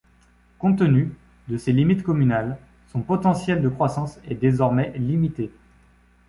Compte tenu, de ses limites communales, son potentiel de croissance est désormais limité.